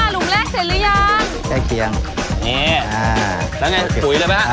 หุมแรกเสร็จหรือยังใกล้เคียงนี่อ่าแล้วไงตุ๋ยเลยไหมฮะ